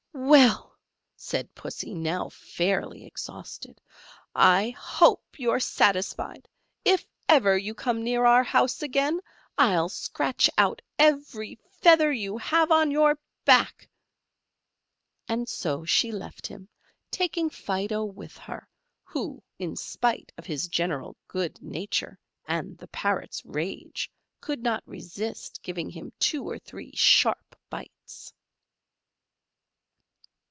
"Well," said Pussy, now fairly exhausted, "I hope you are satisfied: if ever you come near our house again, I'll scratch out every feather you have on your back;" and so she left him, taking Fido with her, who, in spite of his general good nature and the Parrot's rage, could not resist giving him two or three sharp bites.